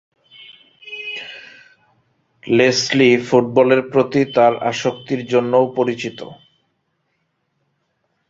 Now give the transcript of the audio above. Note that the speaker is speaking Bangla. লেসলি ফুটবলের প্রতি তার আসক্তির জন্যও পরিচিত।